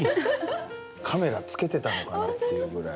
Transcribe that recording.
カメラつけてたのかなっていうぐらい。